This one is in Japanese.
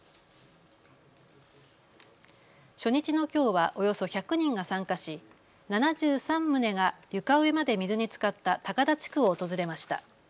初日のきょうはおよそ１００人が参加し７３棟が床上まで水につかった高田地区を訪れました。